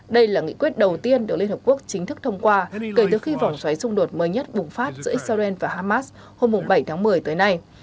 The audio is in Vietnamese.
đây là nghị quyết đầu tiên được liên hợp quốc chính thức thông qua kể từ khi vòng xoáy xung đột mới nhất bùng phát giữa israel và hamas hôm bảy tháng một mươi tới nay